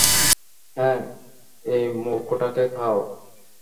হ্যাঁ, এই মূর্খটাকে খাও।